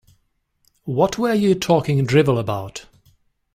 What were you talking drivel about?